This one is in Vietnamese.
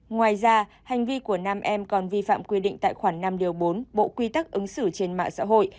ngoài ra hành vi của nam em còn vi phạm quy định tại khoảng năm điều bốn bộ quy tắc ứng xử trên mạng xã hội